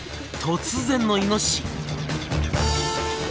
突然のイノシシ。